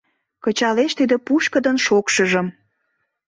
Кычалеш тиде пушкыдын шокшыжым